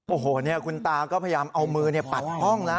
โอ้โหคุณตาก็พยายามเอามือปัดห้องแล้ว